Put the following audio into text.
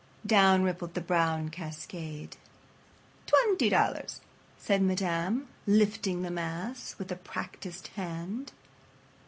Down rippled the brown cascade. "Twenty dollars," said Madame, lifting the mass with a practised hand.